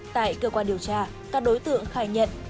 tại cơ quan điều tra các đối tượng khai nhận